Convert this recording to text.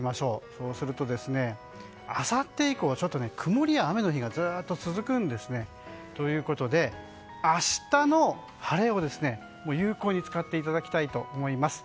そうするとあさって以降、曇りや雨の日がずっと続くんですね。ということで明日の晴れを有効に使っていただきたいと思います。